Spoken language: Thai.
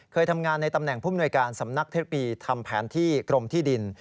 เคยทำงานในตำแหน่งผู้มนวยการสำนักเทคโนโลยีทำแผนที่กรมที่ดิน